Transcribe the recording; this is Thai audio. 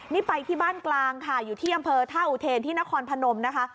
นี่ไปที่บ้านกลางค่ะอยู่ที่อำเภอท่าอุเทนที่นครพนมนะคะ